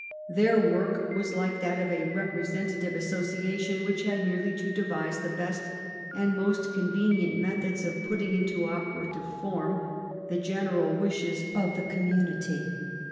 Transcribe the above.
Their work was like that of a representative association which had merely to devise the best and most convenient methods of putting into operative form the general wishes of the com munity.